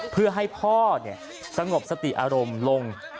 เพื่อให้พ่อสงบสติอารมณ์ลง